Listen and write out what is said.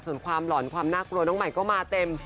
ส่วนความหล่อนความน่ากลัวน้องใหม่ก็มาเต็ม